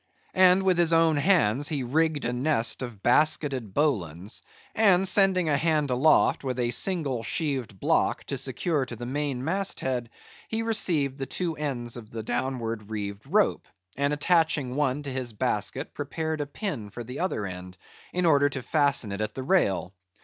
and with his own hands he rigged a nest of basketed bowlines; and sending a hand aloft, with a single sheaved block, to secure to the main mast head, he received the two ends of the downward reeved rope; and attaching one to his basket prepared a pin for the other end, in order to fasten it at the rail.